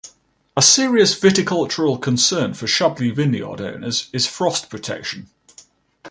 A serious viticultural concern for Chablis vineyard owners is frost protection.